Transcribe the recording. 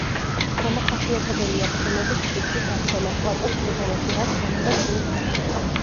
დამახასიათებელია ფენების სუსტი დაცემა პლატოს სიღრმეში, რაც ანელებს მის დანგრევას.